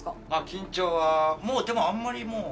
緊張は、でもあんまりもう。